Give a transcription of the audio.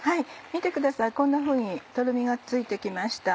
見てくださいこんなふうにとろみがついて来ました。